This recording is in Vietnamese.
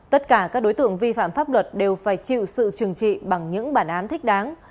tất cả các đối tượng vi phạm pháp luật đều phải chịu sự trừng trị bằng những bản án thích đáng